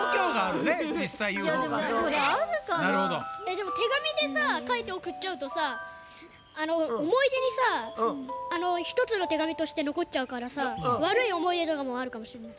でも手紙でさかいておくっちゃうとさおもいでにさひとつの手紙としてのこっちゃうからさわるいおもいでとかもあるかもしれない。